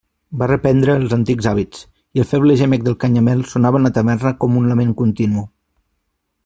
Va reprendre els antics hàbits, i el feble gemec de Canyamel sonava en la taverna com un lament continu.